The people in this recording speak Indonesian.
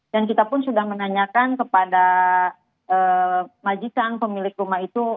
dan kita pun sudah menanyakan kepada majikan pemilik rumah itu